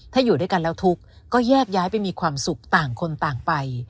ถ้าอยู่ด้วยกันแล้วทุกข์ก็แยกย้ายไปมีความสุขต่างคนต่างไป